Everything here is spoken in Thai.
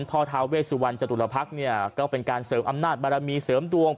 ท้าเวสุวรรณจตุลพักษ์เนี่ยก็เป็นการเสริมอำนาจบารมีเสริมดวง